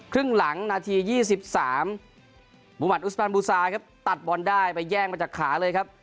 ครึ่งหลังนาที๒๓มุมัติอุสมันบูซาครับตัดบอลได้ไปแย่งมาจากขาเลยครับ